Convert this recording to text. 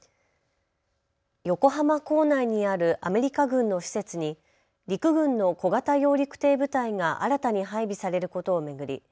横浜港内にあるアメリカ軍の施設に陸軍の小型揚陸艇部隊が新たに配備されることを巡り